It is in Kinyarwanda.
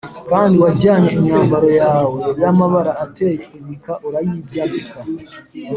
kandi wajyanye imyambaro yawe y’amabara ateye ibika urayibyambika